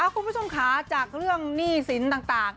คุณผู้ชมค่ะจากเรื่องหนี้สินต่าง